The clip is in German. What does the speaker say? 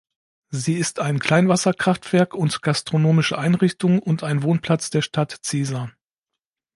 Sie ist ein Kleinwasserkraftwerk und gastronomische Einrichtung und ein Wohnplatz der Stadt Ziesar.